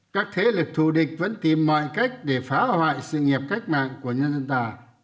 các thế lực thù địch vẫn tìm mọi cách để phá hoại sự nghiệp cách mạng của nhân dân ta